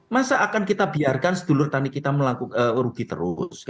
masa akan kita biarkan sedulur tani kita rugi terus